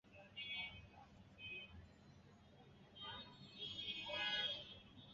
অন্য পদ্ধতির কাঁচামাল হলো অর্থো-ক্লোরোটলুইন।